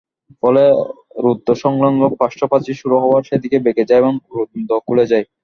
ফলে রন্ধ্রসংলগ্ন পার্শ্বপ্রাচীর শুরু হওয়ায় সেদিকে বেঁকে যায় এবং রন্ধ্র খুলে যায়।